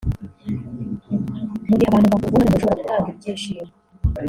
Mu gihe abantu bakubonamo umuntu ushobora gutanga ibyishimo